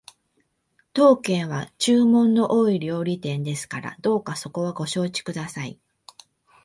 当軒は注文の多い料理店ですからどうかそこはご承知ください